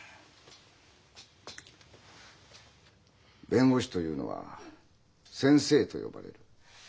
弁護士というのは先生と呼ばれる。